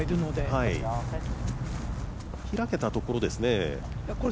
ひらけたところですね。